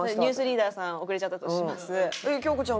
えっ京子ちゃん